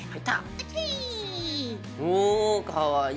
うおかわいい。